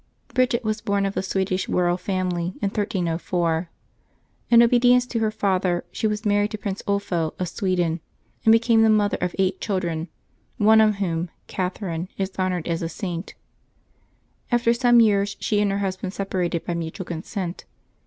©RiDGET was born of the Swedish royal family, in 1304. In obedience to her father, she was married to Prince Ulpho of Sweden, and became the mother of eight children, one of whom, Catherine, is honored as a Saint. After some years she and her husband separated by mutual consent.